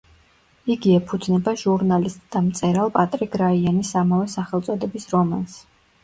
იგი ეფუძნება ჟურნალისტ და მწერალ პატრიკ რაიანის ამავე სახელწოდების რომანს.